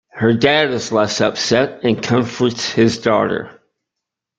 Her dad is less upset and comforts his daughter.